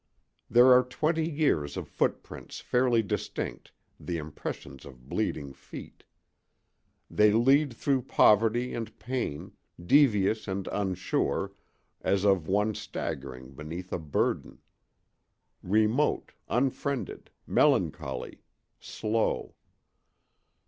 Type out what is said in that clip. There are twenty years of footprints fairly distinct, the impressions of bleeding feet. They lead through poverty and pain, devious and unsure, as of one staggering beneath a burden— Remote, unfriended, melancholy, slow.